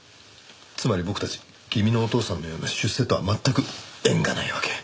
つまり僕たち君のお父さんのような出世とは全く縁がないわけ。